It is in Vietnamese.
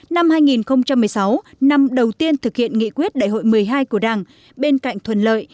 năm hai nghìn một mươi sáu năm đầu tiên thực hiện nghị quyết đại hội một mươi hai của đảng bên cạnh thuận lợi